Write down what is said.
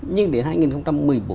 nhưng đến năm hai nghìn một mươi bốn thì